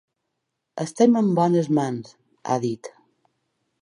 “Estem en bones mans!”, ha dit.